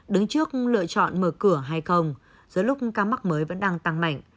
đứng trước lựa chọn mở cửa hay không giữa lúc ca mắc mới vẫn đang tăng mạnh